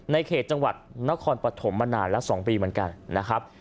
ในเขตจังหวัดนครปฐมมานานแล้ว๒ปีเหมือนกันนะครับ